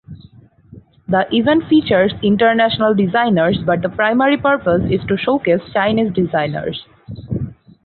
The event features international designers but the primary purpose is to showcase Chinese designers.